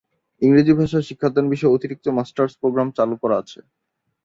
ইংরেজি ভাষা শিক্ষাদান বিষয়ে অতিরিক্ত মাস্টার্স প্রোগ্রাম চালু করা আছে।